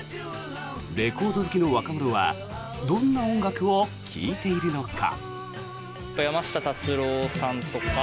レコード好きの若者はどんな音楽を聴いているのか。